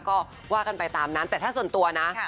ก็ว่ากันไปตามนั้นแต่ถ้าส่วนตัวนะ